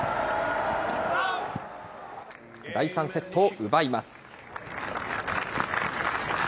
第３セットを奪います。